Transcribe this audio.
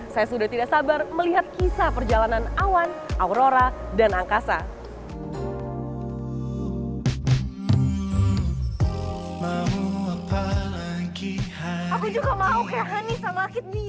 saya sudah tidak sabar melihat kisah perjalanan awan aurora dan angkasa